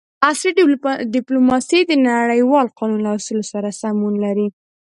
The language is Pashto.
عصري ډیپلوماسي د نړیوال قانون له اصولو سره سمون لري